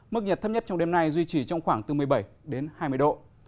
mức nhiệt thấp nhất trong đêm nay duy trì trong khoảng từ một mươi bảy đến hai mươi độ